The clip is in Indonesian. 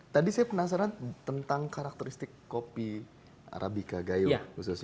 tadi saya penasaran tentang karakteristik kopi arabica gayo